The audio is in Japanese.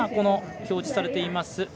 今、この表示されています